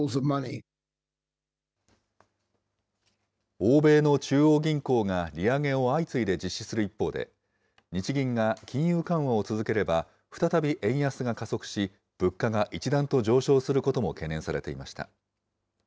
欧米の中央銀行が利上げを相次いで実施する一方で、日銀が金融緩和を続ければ、再び円安が加速し、物価が一段と上昇することも懸念されていました。